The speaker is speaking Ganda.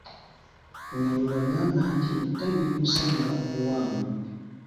Nga bwe bagamba nti, ettabi likusinga obuwanvu!